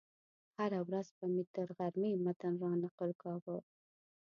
هره ورځ به مې تر غرمې متن رانقل کاوه.